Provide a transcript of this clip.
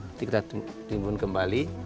nanti kita timbun kembali